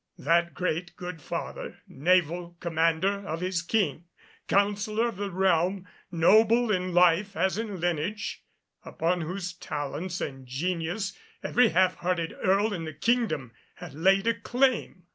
That great, good father naval commander of his king, Councilor of the Realm, noble in life as in lineage upon whose talents and genius every half hearted earl in the kingdom had laid a claim!